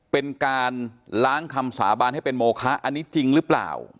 เป็นการล้างคำสาบานให้เป็นโมคะอันนี้จริงหรือเปล่า